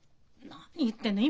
何言ってんの。